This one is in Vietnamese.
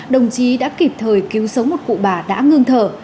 đồng chí đã kịp thời cứu sống một cụ bà đã ngưng thở